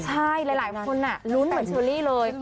ใช่หลายคนอ่ะรุนเหมือนโชลี่เลย